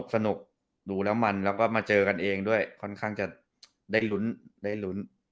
สนุกดูแล้วมันแล้วก็มาเจอกันเองด้วยค่อนข้างจะได้ลุ้นได้ลุ้น